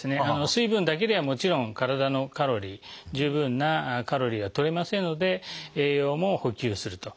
水分だけではもちろん体のカロリー十分なカロリーがとれませんので栄養も補給すると。